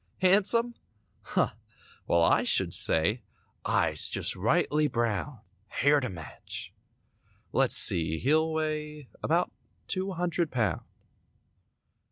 Handsome? Huh! Well I should say; Eyes just rightly browned; Hair to match. Let's see, he'll weigh About two hundred pound.